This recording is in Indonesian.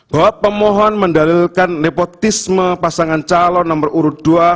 bahwa pemohon mendalilkan nepotisme pasangan calon nomor urut dua